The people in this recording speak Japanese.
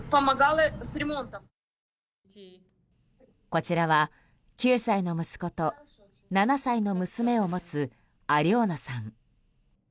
こちらは、９歳の息子と７歳の娘を持つアリョーナさん。